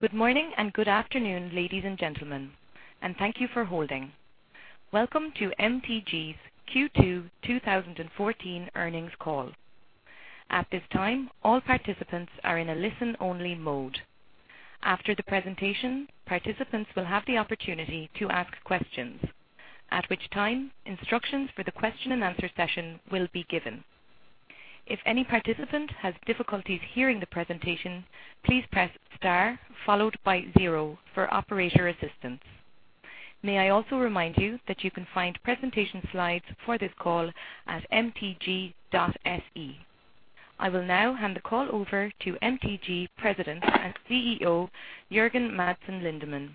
Good morning and good afternoon, ladies and gentlemen, thank you for holding. Welcome to MTG's Q2 2014 earnings call. At this time, all participants are in a listen-only mode. After the presentation, participants will have the opportunity to ask questions, at which time, instructions for the question and answer session will be given. If any participant has difficulties hearing the presentation, please press star followed by zero for operator assistance. May I also remind you that you can find presentation slides for this call at mtg.se. I will now hand the call over to MTG President and CEO, Jørgen Madsen Lindemann,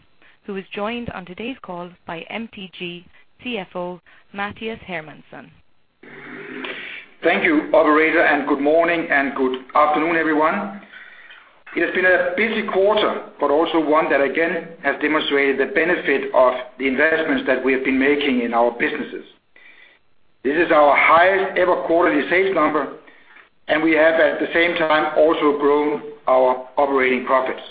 who is joined on today's call by MTG CFO, Mathias Hermansson. Thank you, operator, good morning and good afternoon, everyone. It has been a busy quarter, also one that again has demonstrated the benefit of the investments that we have been making in our businesses. This is our highest-ever quarterly sales number, we have, at the same time, also grown our operating profits.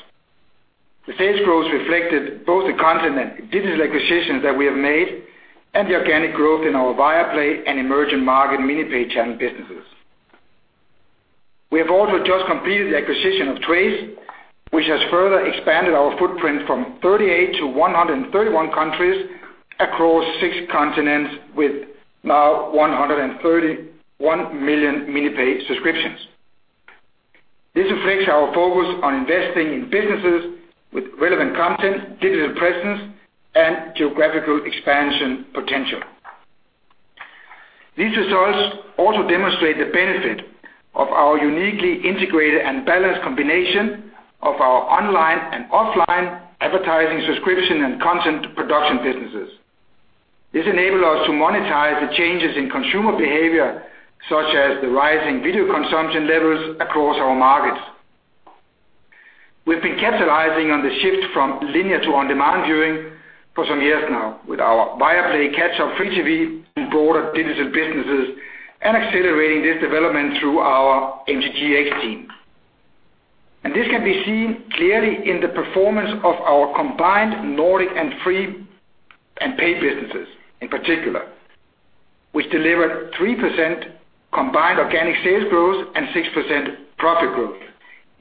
The sales growth reflected both the content and digital acquisitions that we have made and the organic growth in our Viaplay and emerging market MiniPay channel businesses. We have also just completed the acquisition of Trace, which has further expanded our footprint from 38 to 131 countries across six continents with now 131 million MiniPay subscriptions. This reflects our focus on investing in businesses with relevant content, digital presence, and geographical expansion potential. These results also demonstrate the benefit of our uniquely integrated and balanced combination of our online and offline advertising subscription and content production businesses. This enabled us to monetize the changes in consumer behavior, such as the rising video consumption levels across our markets. We've been capitalizing on the shift from linear to on-demand viewing for some years now with our Viaplay Catch Up free TV and broader digital businesses and accelerating this development through our MTGx team. This can be seen clearly in the performance of our combined Nordic and free and pay businesses, in particular, which delivered 3% combined organic sales growth and 6% profit growth,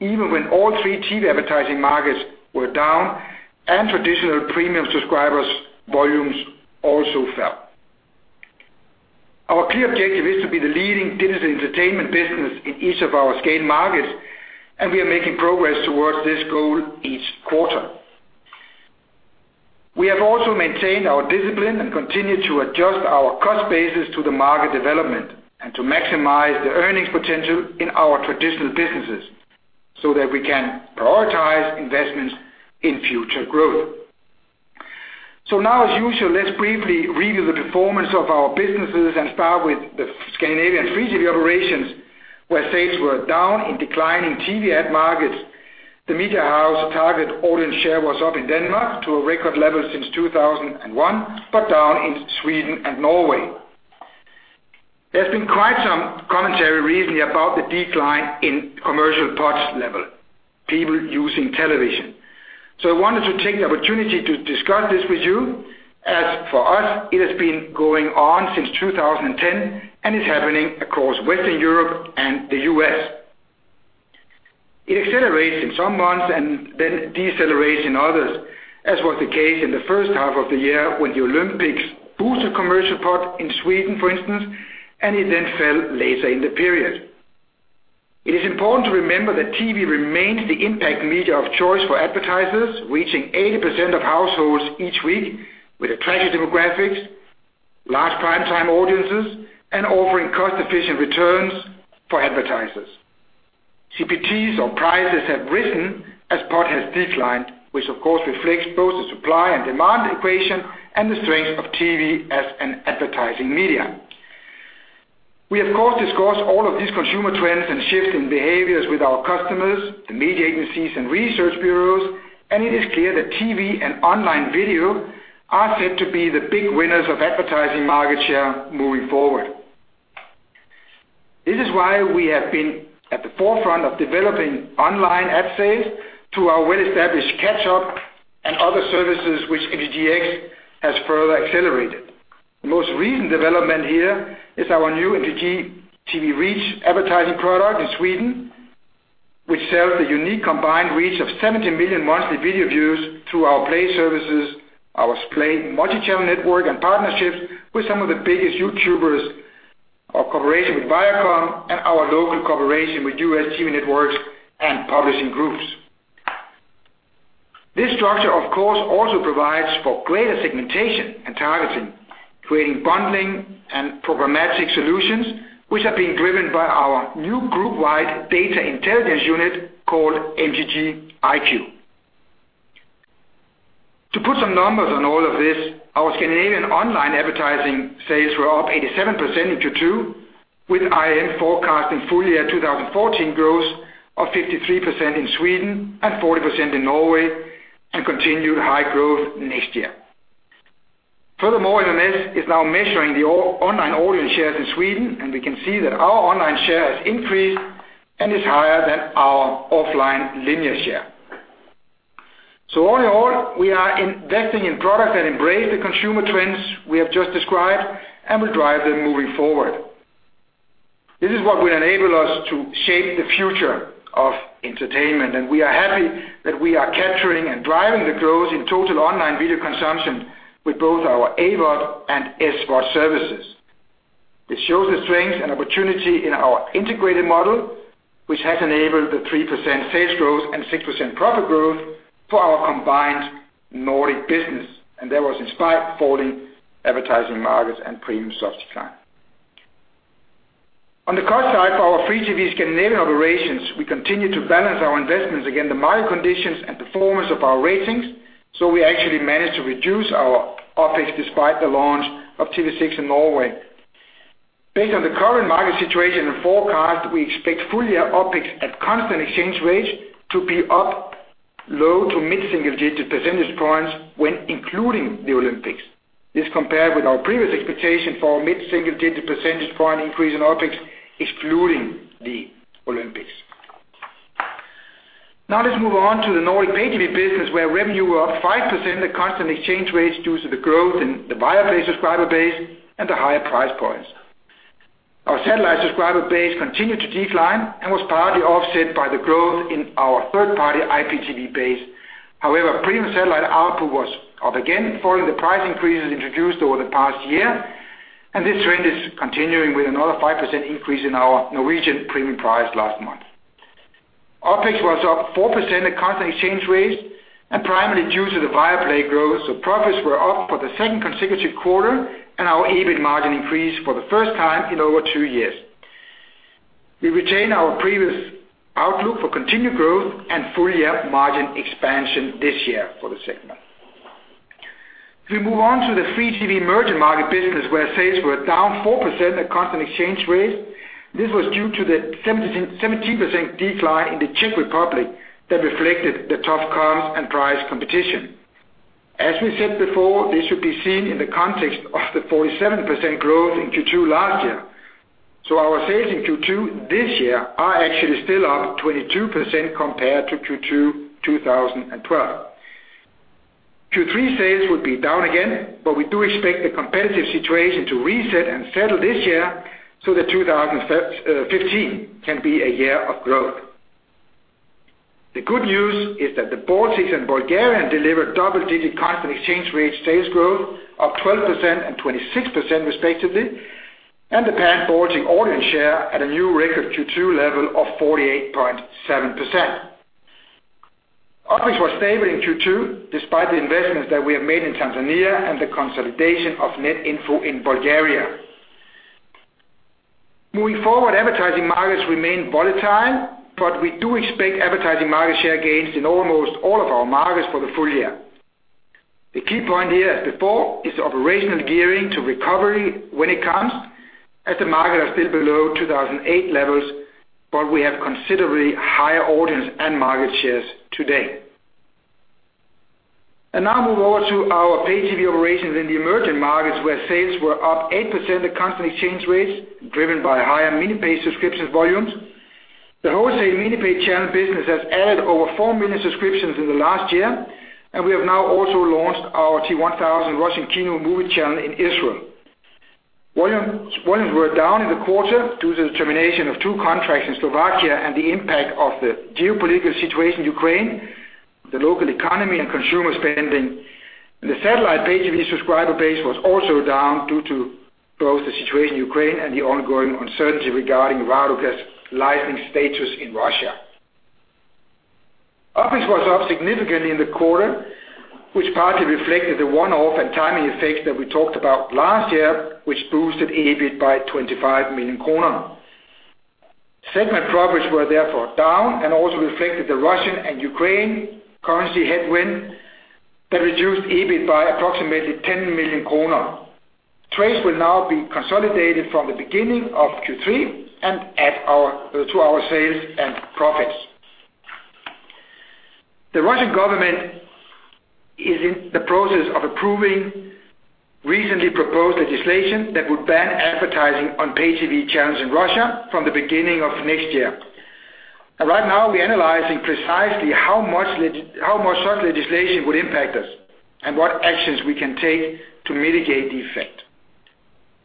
even when all three TV advertising markets were down and traditional premium subscribers' volumes also fell. Our key objective is to be the leading digital entertainment business in each of our scale markets, we are making progress towards this goal each quarter. Now, as usual, let's briefly review the performance of our businesses and start with the Scandinavian free TV operations, where sales were down in declining TV ad markets. The media house target audience share was up in Denmark to a record level since 2001, down in Sweden and Norway. There's been quite some commentary recently about the decline in commercial PUT level, people using television. I wanted to take the opportunity to discuss this with you, as for us, it has been going on since 2010 and is happening across Western Europe and the U.S. It accelerates in some months and then decelerates in others, as was the case in the first half of the year when the Olympics boosted commercial pod in Sweden, for instance, and it then fell later in the period. It is important to remember that TV remains the impact media of choice for advertisers, reaching 80% of households each week with attractive demographics, large prime time audiences, and offering cost-efficient returns for advertisers. CPTs or prices have risen as pod has declined, which of course reflects both the supply and demand equation and the strength of TV as an advertising medium. We of course discuss all of these consumer trends and shifts in behaviors with our customers, the media agencies and research bureaus, and it is clear that TV and online video are set to be the big winners of advertising market share moving forward. This is why we have been at the forefront of developing online ad sales through our well-established Catch Up and other services which MTGx has further accelerated. The most recent development here is our new MTG TV Reach advertising product in Sweden, which serves a unique combined reach of 70 million monthly video views through our Viaplay services, our Splay multi-channel network and partnerships with some of the biggest YouTubers, our cooperation with Viacom, and our local cooperation with U.S. TV networks and publishing groups. This structure, of course, also provides for greater segmentation and targeting, creating bundling and programmatic solutions, which are being driven by our new group-wide data intelligence unit called MTG iQ. To put some numbers on all of this, our Scandinavian online advertising sales were up 87% in Q2, with IRM forecasting full-year 2014 growth of 53% in Sweden and 40% in Norway, and continued high growth next year. Furthermore, MMS is now measuring the online audience shares in Sweden, and we can see that our online share has increased and is higher than our offline linear share. All in all, we are investing in products that embrace the consumer trends we have just described and will drive them moving forward. This is what will enable us to shape the future of entertainment, and we are happy that we are capturing and driving the growth in total online video consumption with both our AVOD and SVOD services. This shows the strength and opportunity in our integrated model, which has enabled the 3% sales growth and 6% profit growth for our combined Nordic business. That was despite falling advertising markets and premium subs decline. On the cost side, for our free TV Scandinavian operations, we continue to balance our investments against the market conditions and performance of our ratings. We actually managed to reduce our OpEx despite the launch of TV6 in Norway. Based on the current market situation and forecast, we expect full-year OpEx at constant exchange rates to be up low to mid-single digit percentage points when including the Olympics. This compared with our previous expectation for mid-single-digit percentage point increase in OpEx, excluding the Olympics. Let's move on to the Nordic pay-TV business, where revenue was up 5% at constant exchange rates due to the growth in the Viaplay subscriber base and the higher price points. Our satellite subscriber base continued to decline and was partly offset by the growth in our third-party IPTV base. However, premium satellite ARPU was up again following the price increases introduced over the past year, and this trend is continuing with another 5% increase in our Norwegian premium price last month. OpEx was up 4% at constant exchange rates and primarily due to the Viaplay growth. Profits were up for the second consecutive quarter, and our EBIT margin increased for the first time in over two years. We retain our previous outlook for continued growth and full-year margin expansion this year for the segment. We move on to the free TV emerging market business, where sales were down 4% at constant exchange rates. This was due to the 17% decline in the Czech Republic that reflected the tough comms and price competition. As we said before, this should be seen in the context of the 47% growth in Q2 last year. Our sales in Q2 this year are actually still up 22% compared to Q2 2012. Q3 sales will be down again. We do expect the competitive situation to reset and settle this year, that 2015 can be a year of growth. The good news is that the Baltics and Bulgaria delivered double-digit constant exchange rate sales growth of 12% and 26% respectively, and the pan-Baltic audience share at a new record Q2 level of 48.7%. OpEx was stable in Q2 despite the investments that we have made in Tanzania and the consolidation of Netinfo in Bulgaria. Moving forward, advertising markets remain volatile. We do expect advertising market share gains in almost all of our markets for the full year. The key point here, as before, is operational gearing to recovery when it comes, as the markets are still below 2008 levels. We have considerably higher audience and market shares today. We move over to our pay-TV operations in the emerging markets, where sales were up 8% at constant exchange rates, driven by higher mini-pay subscriptions volumes. The wholesale mini-pay channel business has added over 4 million subscriptions in the last year. We have now also launched our TV1000 Russian Kino movie channel in Israel. Volumes were down in the quarter due to the termination of two contracts in Slovakia and the impact of the geopolitical situation in Ukraine, the local economy, and consumer spending. The satellite pay-TV subscriber base was also down due to both the situation in Ukraine and the ongoing uncertainty regarding VODOKH's licensing status in Russia. OpEx was up significantly in the quarter, which partly reflected the one-off and timing effects that we talked about last year, which boosted EBIT by 25 million kronor. Segment profits were therefore down and also reflected the Russian and Ukraine currency headwind that reduced EBIT by approximately 10 million kronor. Trade will now be consolidated from the beginning of Q3 and add to our sales and profits. The Russian government is in the process of approving recently proposed legislation that would ban advertising on pay-TV channels in Russia from the beginning of next year. Right now, we're analyzing precisely how much such legislation would impact us and what actions we can take to mitigate the effect.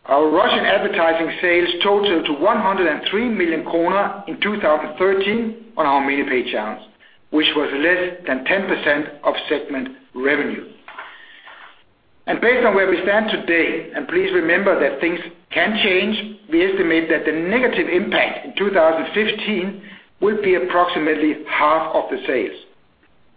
Our Russian advertising sales totaled to 103 million kronor in 2013 on our MiniPay channels, which was less than 10% of segment revenue. Based on where we stand today, and please remember that things can change, we estimate that the negative impact in 2015 will be approximately half of the sales.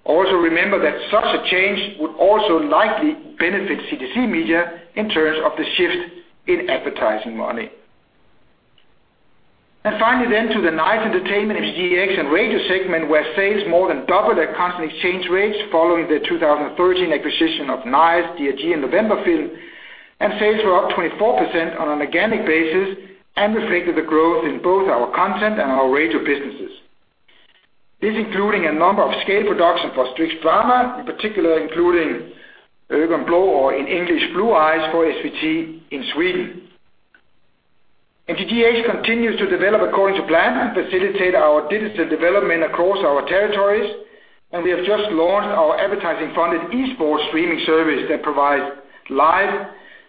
Also remember that such a change would also likely benefit CTC Media in terms of the shift in advertising money. Finally then to the Nice Entertainment Group, DRG, and Radio segment, where sales more than doubled at constant exchange rates following the 2013 acquisition of Nice Entertainment Group, DRG, and November Film. Sales were up 24% on an organic basis and reflected the growth in both our content and our radio businesses. This including a number of scale production for Strix Television, in particular, including Blå ögon or in English, Blue Eyes for SVT in Sweden. MTGx continues to develop according to plan and facilitate our digital development across our territories, and we have just launched our advertising-funded esports streaming service that provides live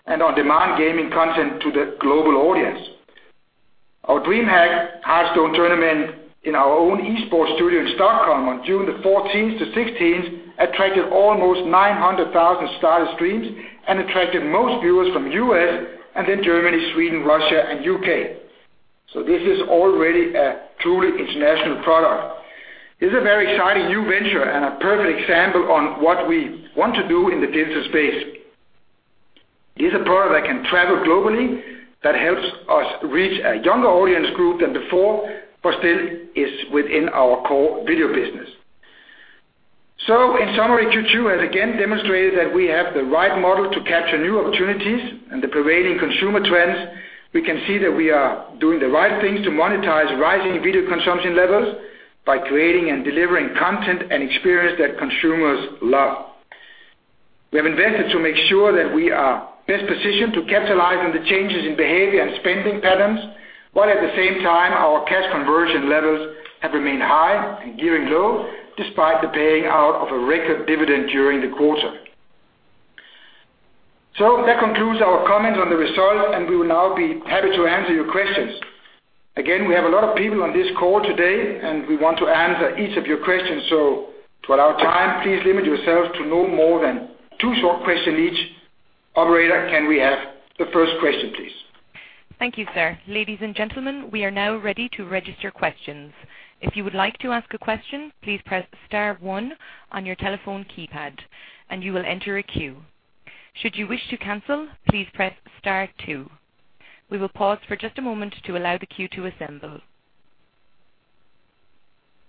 and on-demand gaming content to the global audience. Our DreamHack Hearthstone tournament in our own esports studio in Stockholm on June 14th-16th attracted almost 900,000 started streams and attracted most viewers from the U.S. and then Germany, Sweden, Russia, and U.K. This is already a truly international product. This is a very exciting new venture and a perfect example on what we want to do in the digital space. It's a product that can travel globally, that helps us reach a younger audience group than before, but still is within our core video business. In summary, Q2 has again demonstrated that we have the right model to capture new opportunities and the prevailing consumer trends. We can see that we are doing the right things to monetize rising video consumption levels by creating and delivering content and experience that consumers love. We have invested to make sure that we are best positioned to capitalize on the changes in behavior and spending patterns, while at the same time, our cash conversion levels have remained high and gearing low, despite the paying out of a record dividend during the quarter. That concludes our comments on the results, and we will now be happy to answer your questions. Again, we have a lot of people on this call today, and we want to answer each of your questions. To allow time, please limit yourself to no more than two short questions each. Operator, can we have the first question, please? Thank you, sir. Ladies and gentlemen, we are now ready to register questions. If you would like to ask a question, please press star one on your telephone keypad and you will enter a queue. Should you wish to cancel, please press star two. We will pause for just a moment to allow the queue to assemble.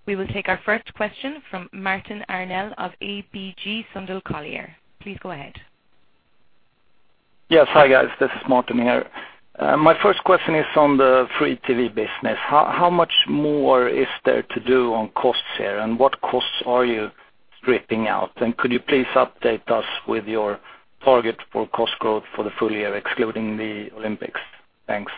We will take our first question from Martin Arnell of ABG Sundal Collier. Please go ahead. Yes. Hi, guys. This is Martin here. My first question is on the free TV business. How much more is there to do on costs here, and what costs are you stripping out? Could you please update us with your target for cost growth for the full year, excluding the Olympics? Thanks.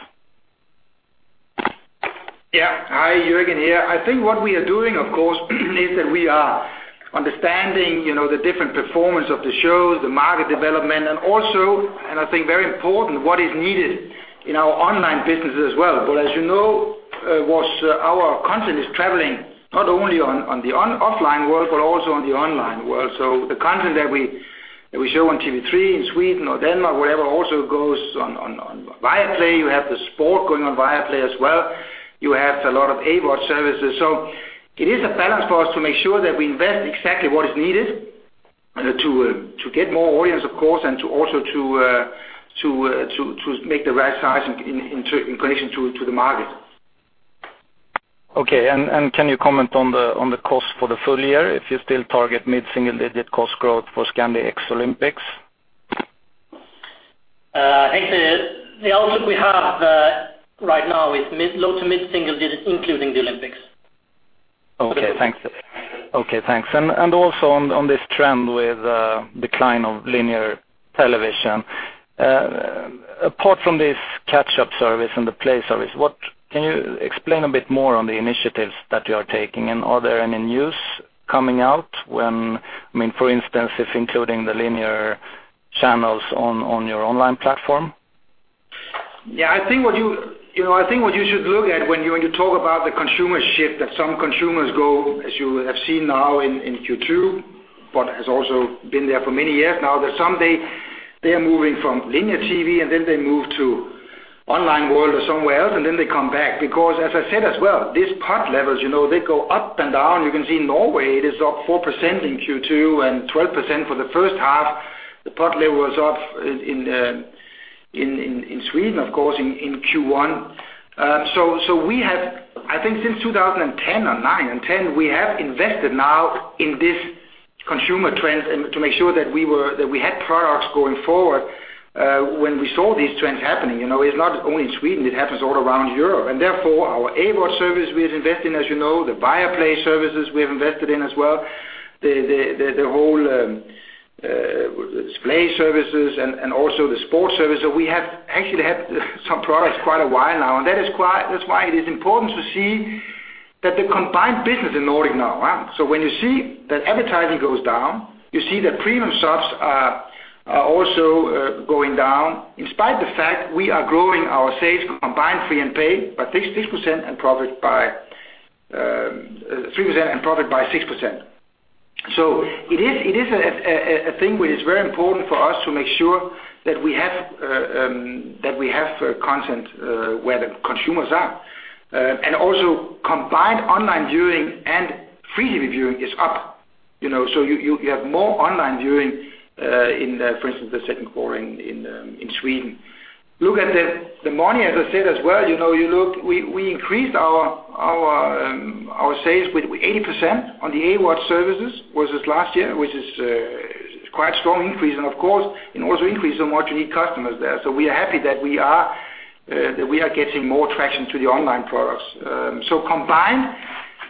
Yeah. Hi. Jørgen here. I think what we are doing, of course, is that we are understanding the different performance of the shows, the market development, and also, I think very important, what is needed in our online business as well. As you know, our content is traveling not only on the offline world but also on the online world. The content that we show on TV3 in Sweden or Denmark, whatever, also goes on Viaplay. You have the sport going on Viaplay as well. You have a lot of AVOD services. It is a balance for us to make sure that we invest exactly what is needed to get more audience, of course, and also to make the right size in connection to the market. Okay. Can you comment on the cost for the full year, if you still target mid-single digit cost growth for Scandi ex-Olympics? I think the outlook we have right now is low to mid-single digits, including the Olympics. Okay, thanks. Also on this trend with the decline of linear television. Apart from this Catch Up service and the Viaplay service, can you explain a bit more on the initiatives that you are taking and are there any news coming out when, for instance, if including the linear channels on your online platform? Yeah. I think what you should look at when you talk about the consumer shift, that some consumers go, as you have seen now in Q2, but has also been there for many years now, that some, they are moving from linear TV, then they move to online world or somewhere else, then they come back. As I said as well, these PUT levels, they go up and down. You can see in Norway it is up 4% in Q2 and 12% for the first half. The PUT level was up in Sweden, of course, in Q1. We have, I think since 2010 or 2009 and 2010, we have invested now in this consumer trend and to make sure that we had products going forward when we saw these trends happening. It's not only in Sweden, it happens all around Europe. Therefore, our AVOD service we have invested in, as you know, the Viaplay services we have invested in as well, the whole Splay services and also the sports service that we have actually had some products quite a while now. That's why it is important to see that the combined business in Nordic now. When you see that advertising goes down, you see that premium subs are also going down in spite the fact we are growing our sales combined free and paid by 6% and profit by 6%. It is a thing which is very important for us to make sure that we have content where the consumers are. Also combined online viewing and free TV viewing is up. You have more online viewing in, for instance, the second quarter in Sweden. Look at the money, as I said as well, we increased our sales with 80% on the AVOD services versus last year, which is quite strong increase and of course, also increase in watching customers there. We are happy that we are getting more traction to the online products. Combined,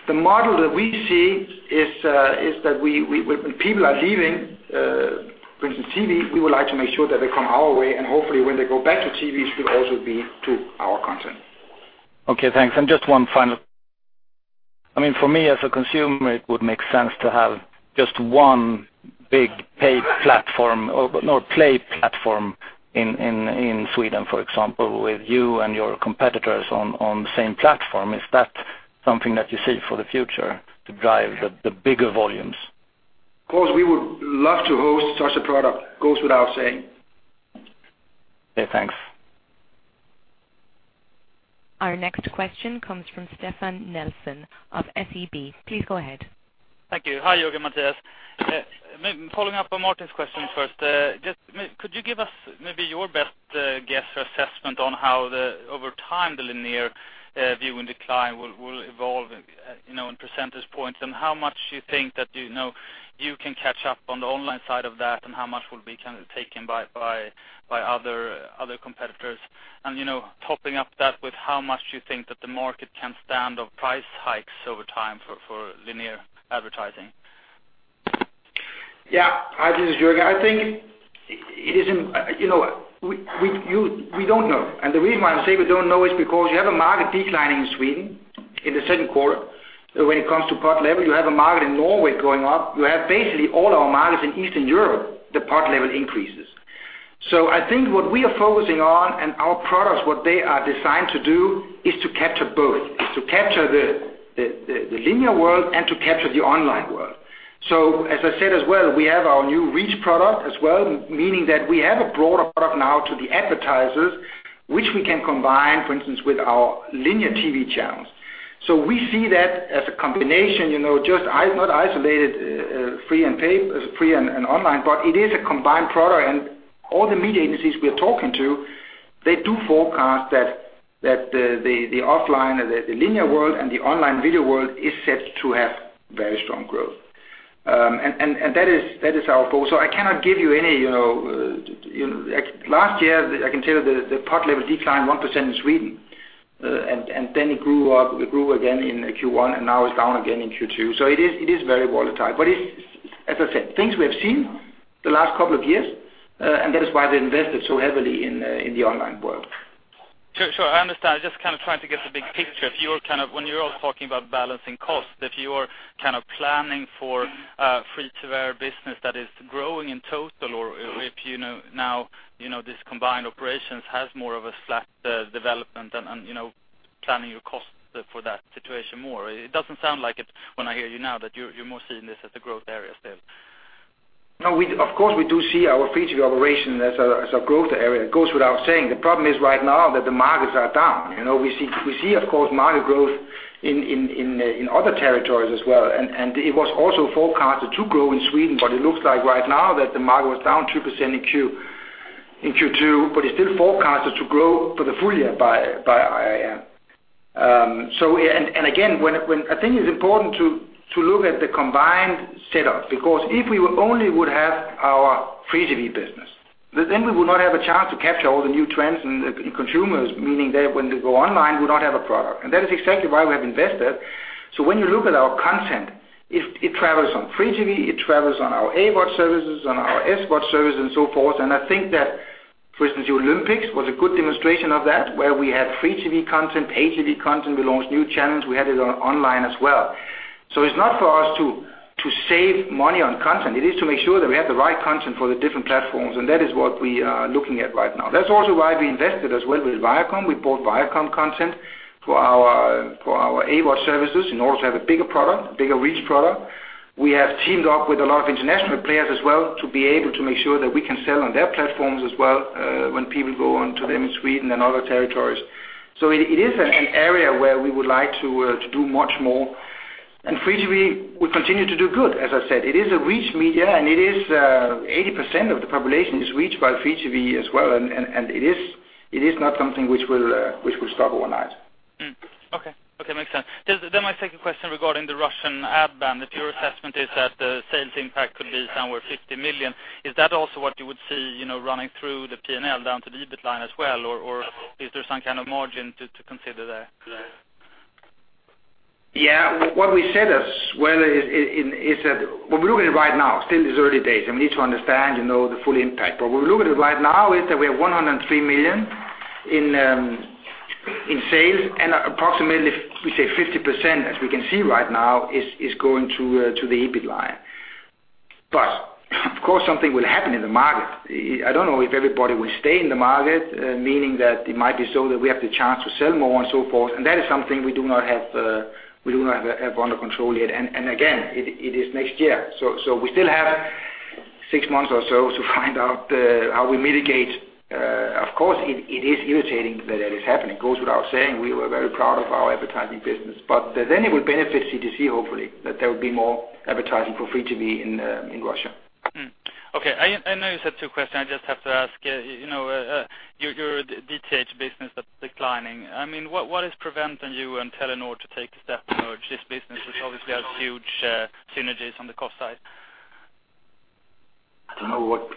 the model that we see is that when people are leaving, for instance, TV, we would like to make sure that they come our way. Hopefully when they go back to TV, it will also be to our content. Okay, thanks. Just one final. For me, as a consumer, it would make sense to have just one big paid platform or Viaplay platform in Sweden, for example, with you and your competitors on the same platform. Is that something that you see for the future to drive the bigger volumes? Of course, we would love to host such a product. Goes without saying. Okay, thanks. Our next question comes from Stefan Nelson of SEB. Please go ahead. Thank you. Hi, Jørgen Madslien. Following up on Martin's question first, could you give us maybe your best guess or assessment on how over time the linear viewing decline will evolve in percentage points? How much do you think that you can catch up on the online side of that, and how much will be taken by other competitors? Topping up that with how much do you think that the market can stand of price hikes over time for linear advertising? Hi, this is Jørgen. We don't know. The reason why I'm saying we don't know is because you have a market declining in Sweden in the 2Q, when it comes to PUT level. You have a market in Norway going up. You have basically all our markets in Eastern Europe, the PUT level increases. I think what we are focusing on and our products, what they are designed to do, is to capture both. Is to capture the linear world and to capture the online world. As I said as well, we have our new Reach product as well, meaning that we have a broader product now to the advertisers, which we can combine, for instance, with our linear TV channels. We see that as a combination, just not isolated free and online, but it is a combined product. All the media agencies we are talking to, they do forecast that the offline, the linear world, and the online video world is set to have very strong growth. That is our goal. Last year, I can tell you the PUT level declined 1% in Sweden, then it grew again in Q1, and now it's down again in Q2. It is very volatile. As I said, things we have seen the last couple of years, that is why we invested so heavily in the online world. Sure, I understand. Just trying to get the big picture. When you are all talking about balancing costs, if you are planning for a free TV business that is growing in total, or if now this combined operations has more of a flat development and planning your costs for that situation more. It doesn't sound like it when I hear you now that you are more seeing this as a growth area still. No, of course, we do see our free TV operation as a growth area. It goes without saying. The problem is right now that the markets are down. We see, of course, market growth in other territories as well, and it was also forecasted to grow in Sweden, but it looks like right now that the market was down 2% in Q2, but it's still forecasted to grow for the full year by IRM. Again, I think it's important to look at the combined setup, because if we only would have our free TV business, then we would not have a chance to capture all the new trends and consumers, meaning that when they go online, we don't have a product. That is exactly why we have invested. When you look at our content, it travels on free TV, it travels on our AVOD services, on our SVOD service and so forth. I think that, for instance, the Olympics was a good demonstration of that, where we had free TV content, paid TV content. We launched new channels. We had it online as well. It's not for us to save money on content. It is to make sure that we have the right content for the different platforms, and that is what we are looking at right now. That's also why we invested as well with Viacom. We bought Viacom content for our AVOD services in order to have a bigger product, a bigger reach product. We have teamed up with a lot of international players as well to be able to make sure that we can sell on their platforms as well when people go onto them in Sweden and other territories. It is an area where we would like to do much more. Free TV will continue to do good, as I said. It is a reach media, and 80% of the population is reached by free TV as well, and it is not something which will stop overnight. Okay. Makes sense. My second question regarding the Russian ad ban. If your assessment is that the sales impact could be somewhere 50 million, is that also what you would see running through the P&L down to the EBIT line as well? Is there some kind of margin to consider there? Yeah. What we said as well is that we're looking right now, still these early days, we need to understand the full impact. We look at it right now is that we have 103 million in sales and approximately, we say 50%, as we can see right now, is going to the EBIT line. Of course, something will happen in the market. I don't know if everybody will stay in the market, meaning that it might be so that we have the chance to sell more and so forth, and that is something we do not have under control yet. Again, it is next year. We still have six months or so to find out how we mitigate. Of course, it is irritating that it is happening. It goes without saying, we were very proud of our advertising business. It will benefit CTC, hopefully, that there will be more advertising for free TV in Russia. Okay. I know you said two questions. I just have to ask. Your DTH business that's declining. What is preventing you and Telenor to take a step to merge this business, which obviously has huge synergies on the cost side? I don't know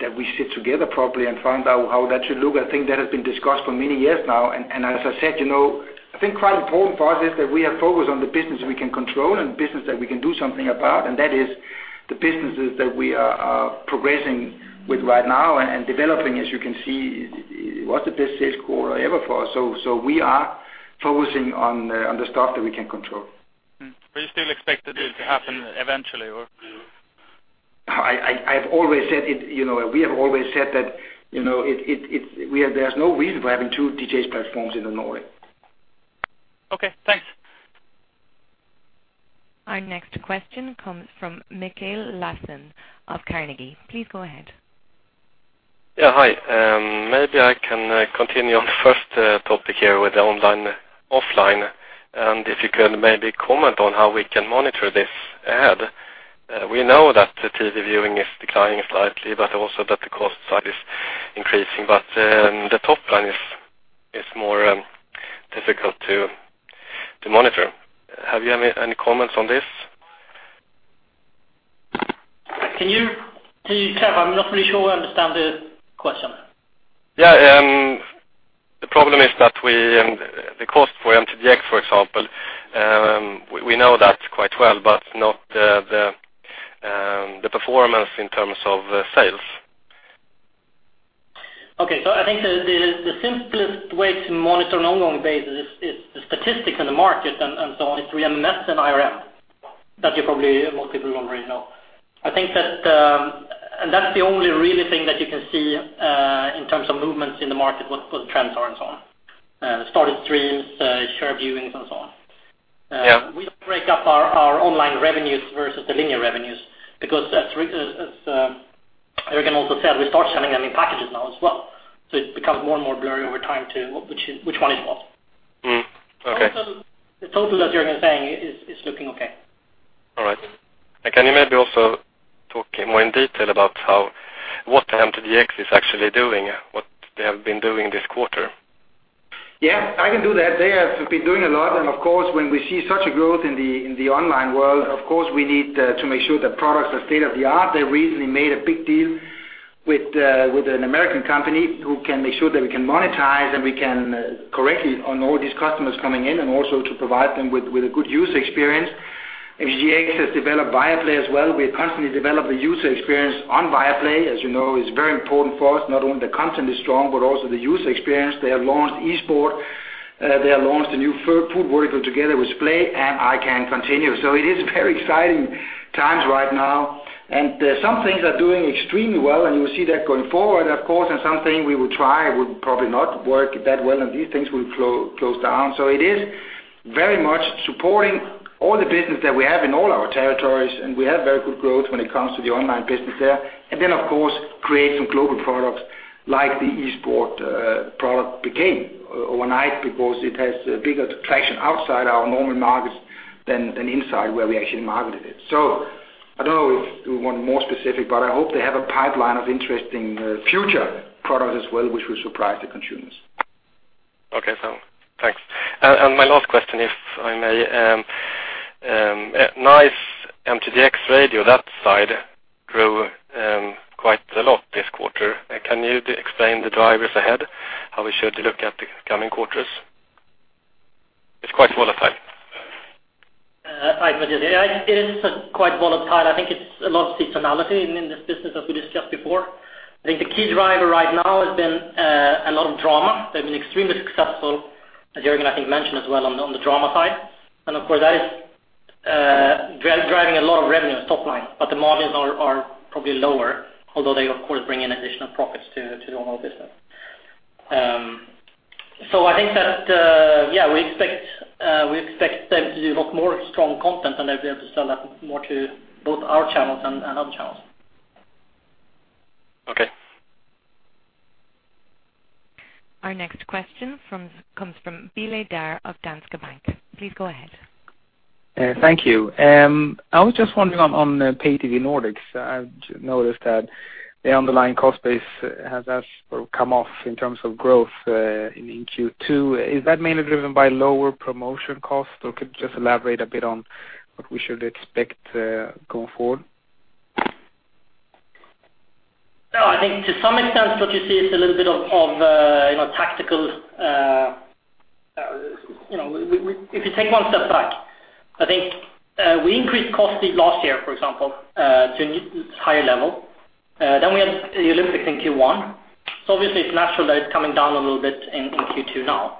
that we sit together properly and find out how that should look. I think that has been discussed for many years now, as I said, I think quite important for us is that we are focused on the business we can control and business that we can do something about. That is the businesses that we are progressing with right now and developing, as you can see, it was the best sales quarter ever for us. We are focusing on the stuff that we can control. You still expect it to happen eventually? We have always said that there's no reason for having two DTH platforms in the Nordic. Okay, thanks. Our next question comes from Mikael Laszlo of Carnegie. Please go ahead. Yeah. Hi. Maybe I can continue on the first topic here with the online/offline, and if you could maybe comment on how we can monitor this ahead. We know that the TV viewing is declining slightly, but also that the cost side is increasing. The top line is more difficult to monitor. Have you any comments on this? Can you clarify? I'm not really sure I understand the question. Yeah. The problem is the cost for MTGx, for example. We know that quite well, but not the performance in terms of sales. Okay. I think the simplest way to monitor on an ongoing basis is the statistics in the market and so on. It is MMS and IRM. That you probably, most people already know. I think that is the only real thing that you can see in terms of movements in the market, what trends are and so on. Started streams, shared viewings and so on. Yeah. We do not break up our online revenues versus the linear revenues because as Jørgen also said, we start selling them in packages now as well. It becomes more and more blurry over time to which one is what. Okay. The total, as Jørgen was saying, is looking okay. All right. Can you maybe also talk more in detail about what MTGx is actually doing, what they have been doing this quarter? Yeah, I can do that. They have been doing a lot. Of course, when we see such a growth in the online world, of course, we need to make sure the products are state-of-the-art. They recently made a big deal with an American company who can make sure that we can monetize and we can correctly on all these customers coming in and also to provide them with a good user experience. MTGx has developed Viaplay as well. We constantly develop the user experience on Viaplay. As you know, it's very important for us, not only the content is strong, but also the user experience. They have launched esports. They have launched a new food vertical together with Splay, and I can continue. It is very exciting times right now, some things are doing extremely well, you will see that going forward, of course. Something we will try would probably not work that well, these things will close down. It is very much supporting all the business that we have in all our territories, we have very good growth when it comes to the online business there. Then of course, create some global products like the esports product became overnight because it has bigger traction outside our normal markets than inside where we actually marketed it. I don't know if you want more specific, but I hope they have a pipeline of interesting future products as well, which will surprise the consumers. Okay. Thanks. My last question, if I may. Nice MTGx radio, that side grew quite a lot this quarter. Can you explain the drivers ahead, how we should look at the coming quarters? It's quite volatile. I agree. It is quite volatile. I think it's a lot of seasonality in this business as it is just before. I think the key driver right now has been a lot of drama. They've been extremely successful, as Jørgen I think mentioned as well, on the drama side. Of course that is driving a lot of revenue, top line, but the margins are probably lower, although they of course bring in additional profits to the normal business. I think that, we expect them to do a lot more strong content and they'll be able to sell that more to both our channels and other channels. Okay. Our next question comes from Terence Tao of Danske Bank. Please go ahead. Thank you. I was just wondering on pay TV Nordics. I've noticed that the underlying cost base has sort of come off in terms of growth, in Q2. Is that mainly driven by lower promotion costs, or could you just elaborate a bit on what we should expect going forward? If you take one step back, I think we increased costs last year, for example, to a higher level. We had the Olympics in Q1. Obviously it's natural that it's coming down a little bit in Q2 now.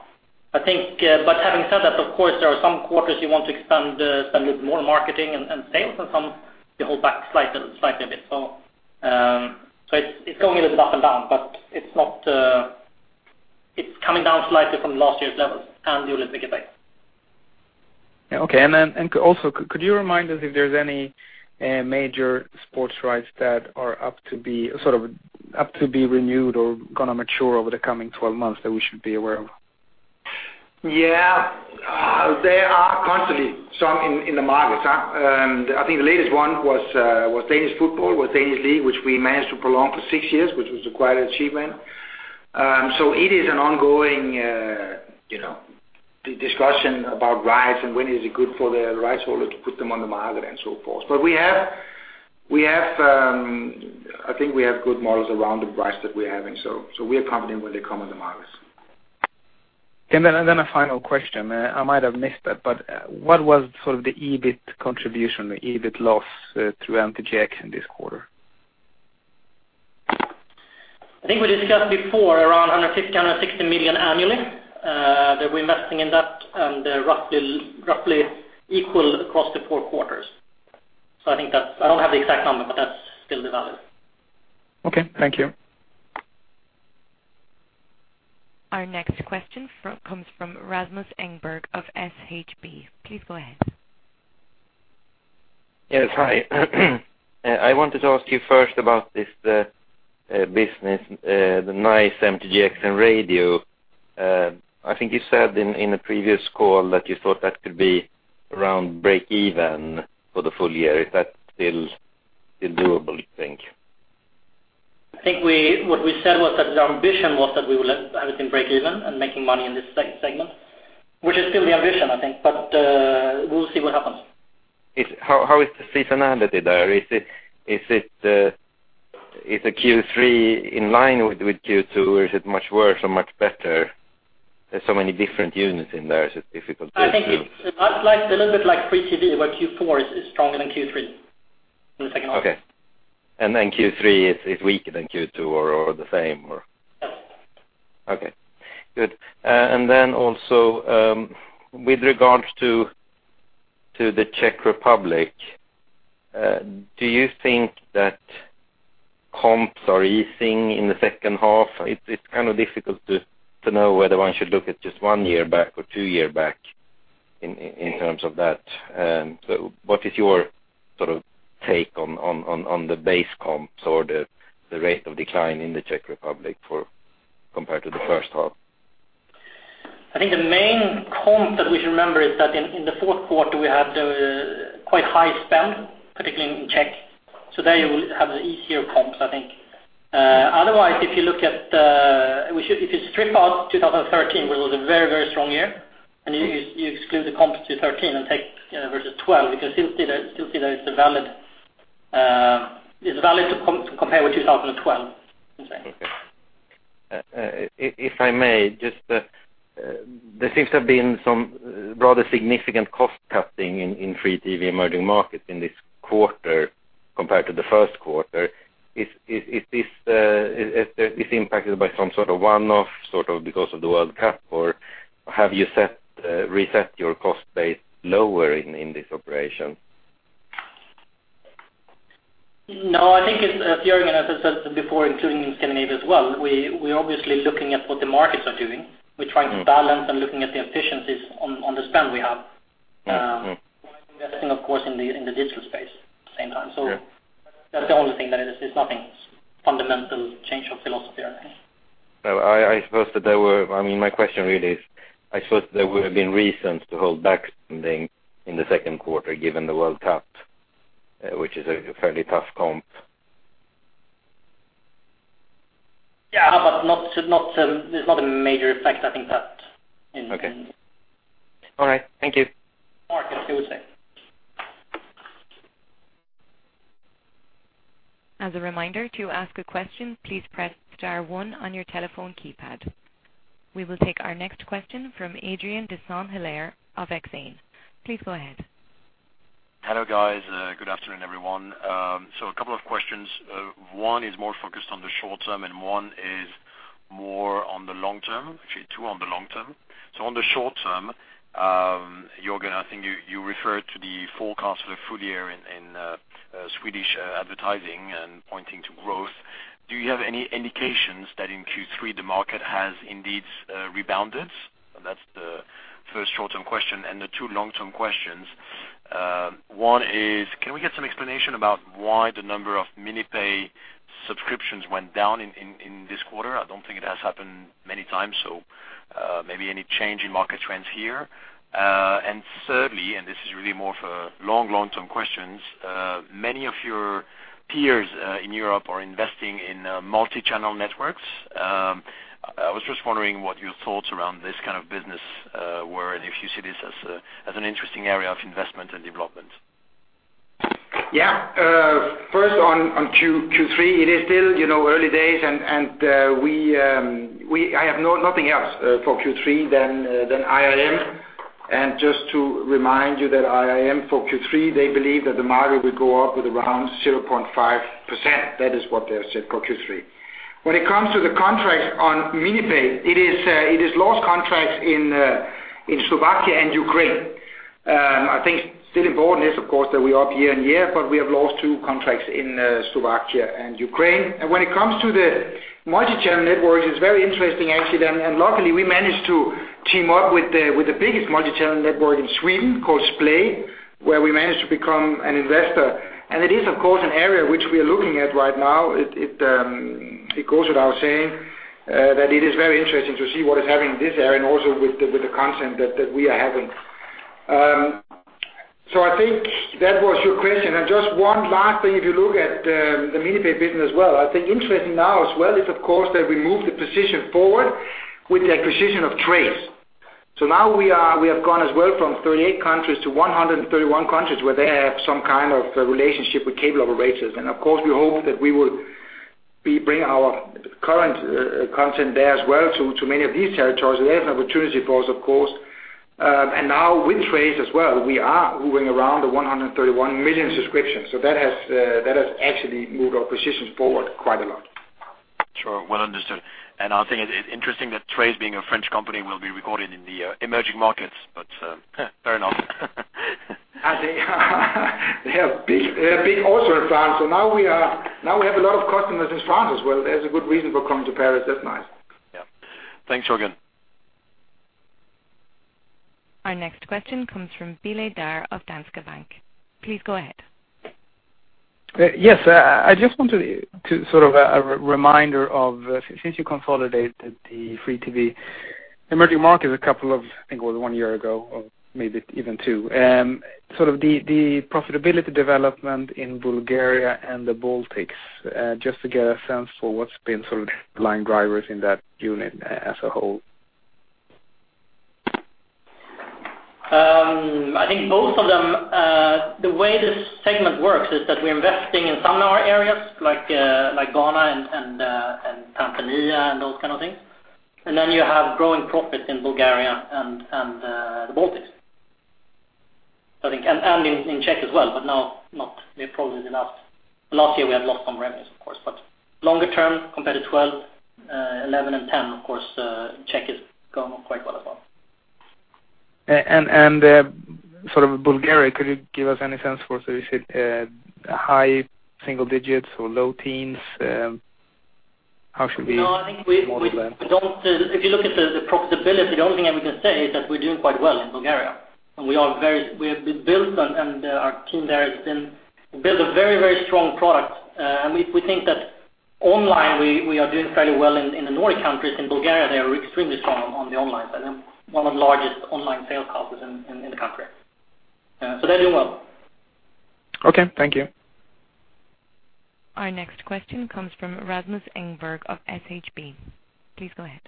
I think, having said that, of course, there are some quarters you want to spend a little more on marketing and sales, and some you hold back slightly a bit. It's going a little bit up and down, but it's coming down slightly from last year's levels and the Olympic effect. Okay. Could you remind us if there's any major sports rights that are up to be renewed or going to mature over the coming 12 months that we should be aware of? There are constantly some in the market. I think the latest one was Danish football with Danish Superliga, which we managed to prolong for six years, which was quite an achievement. The discussion about rights and when is it good for the rights holder to put them on the market and so forth. I think we have good models around the rights that we are having. We are confident when they come on the market. A final question. I might have missed it, what was sort of the EBIT contribution, the EBIT loss through MTGX in this quarter? I think we discussed before around 150 million-160 million annually, that we're investing in that and roughly equal across the four quarters. I don't have the exact number, that's still the value. Okay, thank you. Our next question comes from Rasmus Engberg of Handelsbanken. Please go ahead. Yes. Hi. I wanted to ask you first about this business, the Nice MTGx and radio. I think you said in a previous call that you thought that could be around break even for the full year. Is that still doable, you think? I think what we said was that the ambition was that we will have it in break even and making money in this segment, which is still the ambition, I think. We'll see what happens. How is the seasonality there? Is the Q3 in line with Q2, or is it much worse or much better? There's so many different units in there, it's just difficult to. I think it's a little bit like Free TV, where Q4 is stronger than Q3 in the second half. Okay. Q3 is weaker than Q2 or the same or? Yes. Okay, good. Also, with regards to the Czech Republic, do you think that comps are easing in the second half? It's kind of difficult to know whether one should look at just one year back or two year back in terms of that. What is your sort of take on the base comps or the rate of decline in the Czech Republic compared to the first half? I think the main comp that we should remember is that in the fourth quarter, we had quite high spend, particularly in Czech. There you will have the easier comps, I think. Otherwise, if you strip out 2013, which was a very, very strong year, and you exclude the comps 2013 and take versus 2012, you can still see that it's valid to compare with 2012. Okay. If I may, there seems to have been some rather significant cost cutting in Free TV emerging markets in this quarter compared to the first quarter. Is this impacted by some sort of one-off, sort of because of the World Cup, or have you reset your cost base lower in this operation? No, I think it's, as Jørgen has said before, including in Scandinavia as well, we're obviously looking at what the markets are doing. We're trying to balance and looking at the efficiencies on the spend we have. Yes. While investing, of course, in the digital space at the same time. Sure. That's the only thing that it is. It's nothing, fundamental change of philosophy or anything. My question really is, I suppose there would have been reasons to hold back something in the second quarter, given the World Cup, which is a fairly tough comp. Yeah. It's not a major effect. I think that. Okay. All right. Thank you. All right. See you soon. As a reminder, to ask a question, please press star one on your telephone keypad. We will take our next question from Adrien de Saint Hilaire of Exane. Please go ahead. Hello, guys. Good afternoon, everyone. A couple of questions. One is more focused on the short term, one is more on the long term. Actually, two on the long term. On the short term, Jørgen, I think you referred to the forecast for the full year in Swedish advertising and pointing to growth. Do you have any indications that in Q3 the market has indeed rebounded? That's the first short-term question. The two long-term questions, one is, can we get some explanation about why the number of MiniPay subscriptions went down in this quarter? I don't think it has happened many times, so maybe any change in market trends here? Thirdly, and this is really more for long, long-term questions, many of your peers in Europe are investing in multi-channel networks. I was just wondering what your thoughts around this kind of business were, if you see this as an interesting area of investment and development. Yeah. First on Q3, it is still early days, I have nothing else for Q3 than IRM. Just to remind you that IRM for Q3, they believe that the margin will go up with around 0.5%. That is what they have said for Q3. When it comes to the contracts on MiniPay, it is lost contracts in Slovakia and Ukraine. I think still important is, of course, that we are up year-on-year, but we have lost two contracts in Slovakia and Ukraine. When it comes to the multi-channel networks, it's very interesting actually. Luckily, we managed to team up with the biggest multi-channel network in Sweden called Splay, where we managed to become an investor. It is, of course, an area which we are looking at right now. It goes without saying that it is very interesting to see what is happening in this area and also with the content that we are having. I think that was your question. Just one last thing, if you look at the MiniPay business as well, I think interesting now as well is of course that we moved the position forward with the acquisition of Trace. Now we have gone as well from 38 countries to 131 countries where they have some kind of relationship with cable operators. Of course, we hope that we will bring our current content there as well to many of these territories. There's an opportunity for us, of course. Now with Trace as well, we are moving around the 131 million subscriptions. That has actually moved our positions forward quite a lot. Sure. Well understood. I think it's interesting that Trace, being a French company, will be recorded in the emerging markets, but fair enough. They have big also in France. Now we have a lot of customers in France as well. There's a good reason for coming to Paris. That's nice. Yeah. Thanks, Jørgen. Our next question comes from Terence Tao of Danske Bank. Please go ahead. Yes. I just wanted to, a reminder of since you consolidated the free TV emerging market a couple of, I think it was one year ago, or maybe even two. The profitability development in Bulgaria and the Baltics, just to get a sense for what has been the line drivers in that unit as a whole. I think both of them, the way this segment works is that we are investing in some of our areas, like Ghana and Tanzania and those kind of things. Then you have growing profits in Bulgaria and the Baltics. In Czech as well, but now, not. We have problems in the last year, we have lost some revenues, of course. Longer term, compared to 2012, 2011, and 2010, of course, Czech has gone on quite well as well. Bulgaria, could you give us any sense for, is it high single digits or low teens? How should we model that? No, I think if you look at the profitability, the only thing I can say is that we're doing quite well in Bulgaria, and we have built and our team there has been build a very strong product. We think that online, we are doing fairly well in the Nordic countries. In Bulgaria, they are extremely strong on the online side and one of the largest online sales houses in the country. They're doing well. Okay, thank you. Our next question comes from Rasmus Engberg of Handelsbanken. Please go ahead.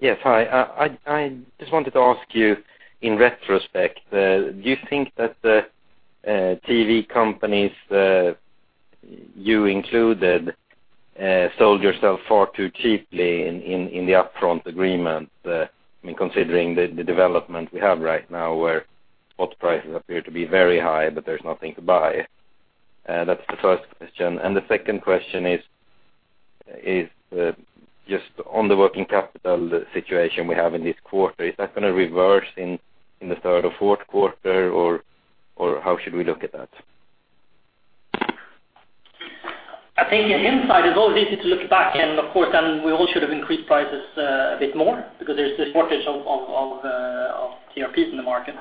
Yes. Hi. I just wanted to ask you in retrospect, do you think that the TV companies, you included, sold yourself far too cheaply in the upfront agreement? I mean, considering the development we have right now, where spot prices appear to be very high, but there's nothing to buy. That's the first question. The second question is just on the working capital situation we have in this quarter. Is that going to reverse in the third or fourth quarter, or how should we look at that? I think in hindsight, it's always easy to look back. Of course, we all should have increased prices a bit more because there's this shortage of TRPs in the market.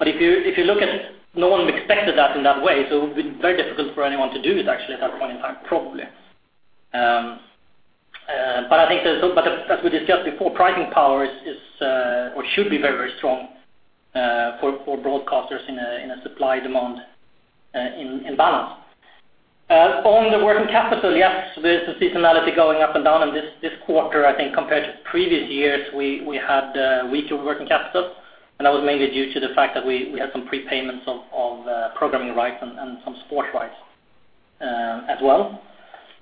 If you look at, no one expected that in that way. It would be very difficult for anyone to do it actually at that point in time, probably. As we discussed before, pricing power is or should be very strong for broadcasters in a supply/demand imbalance. On the working capital, yes, there's a seasonality going up and down, and this quarter, I think compared to previous years, we had weaker working capital, and that was mainly due to the fact that we had some prepayments of programming rights and some sports rights as well.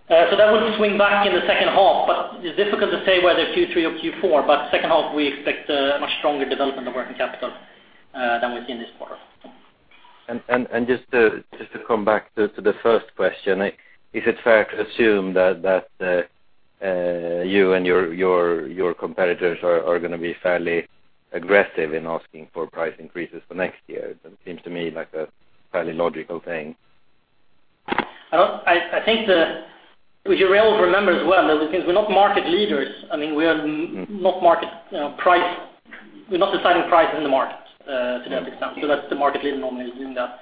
That will swing back in the second half, but it's difficult to say whether Q3 or Q4. Second half, we expect a much stronger development of working capital than we see in this quarter. Just to come back to the first question, is it fair to assume that you and your competitors are going to be fairly aggressive in asking for price increases for next year? It seems to me like a fairly logical thing. I think that we should be able to remember as well that we're not market leaders. We're not deciding prices in the markets to that extent, because that's the market leader normally is doing that.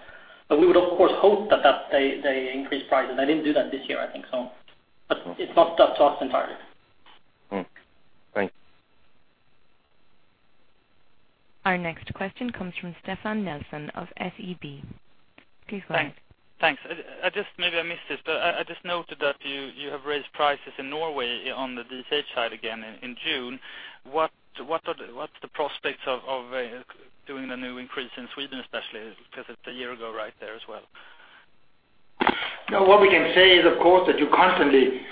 We would, of course, hope that they increase prices. They didn't do that this year, I think so. It's not up to us entirely. Thanks. Our next question comes from Stefan Nelson of SEB. Please go ahead. Thanks. Maybe I missed this, I just noted that you have raised prices in Norway on the DTH side again in June. What's the prospects of doing the new increase in Sweden especially because it's a year ago right there as well? What we can say is, of course, that you constantly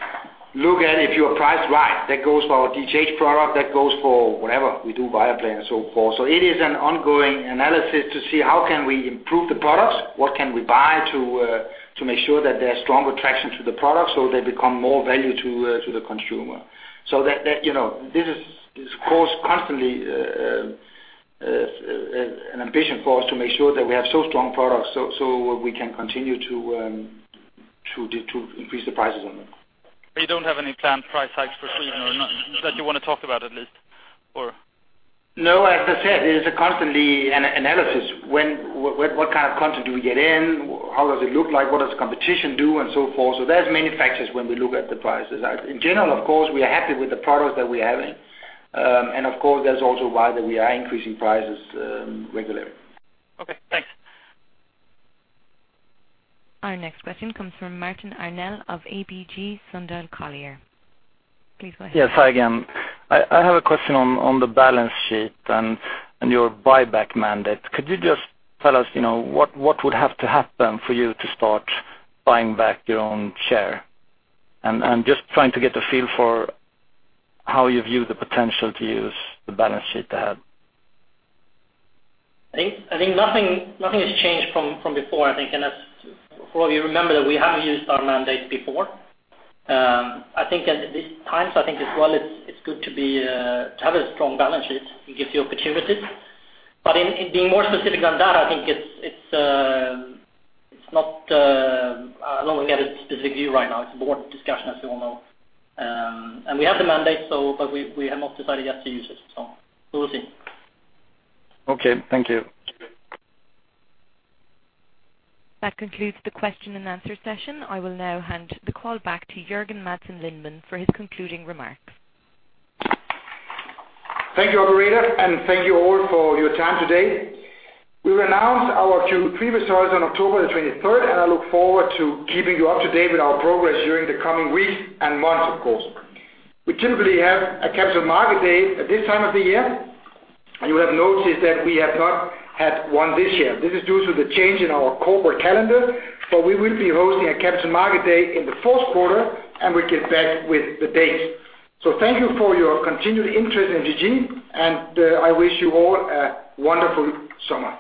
look at if you are priced right. That goes for our DTH product, that goes for whatever we do, Viaplay and so forth. It is an ongoing analysis to see how can we improve the products, what can we buy to make sure that there are strong attraction to the products so they become more value to the consumer. This is, of course, constantly an ambition for us to make sure that we have so strong products so we can continue to increase the prices on them. You don't have any planned price hikes for Sweden or not, that you want to talk about at least? No, as I said, it is constantly an analysis. What kind of content do we get in? How does it look like? What does the competition do and so forth. There's many factors when we look at the prices. In general, of course, we are happy with the products that we are having. Of course, that's also why that we are increasing prices regularly. Okay, thanks. Our next question comes from Martin Arnell of ABG Sundal Collier. Please go ahead. Yes, hi again. I have a question on the balance sheet and your buyback mandate. Could you just tell us what would have to happen for you to start buying back your own share? I'm just trying to get a feel for how you view the potential to use the balance sheet ahead. I think nothing has changed from before. As you remember that we have used our mandate before. At these times, I think as well it's good to have a strong balance sheet. It gives you opportunity. In being more specific on that, I think it's not, I don't get a specific view right now. It's a board discussion, as you all know. We have the mandate, but we have not decided yet to use it, so we will see. Okay. Thank you. That concludes the question and answer session. I will now hand the call back to Jørgen Madsen Lindemann for his concluding remarks. Thank you, operator, and thank you all for your time today. We will announce our Q3 results on October the 23rd, and I look forward to keeping you up to date with our progress during the coming weeks and months, of course. We typically have a capital market day at this time of the year, and you will have noticed that we have not had one this year. This is due to the change in our corporate calendar, but we will be hosting a capital market day in the fourth quarter, and we'll get back with the date. Thank you for your continued interest in MTG, and I wish you all a wonderful summer.